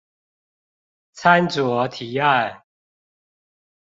參酌提案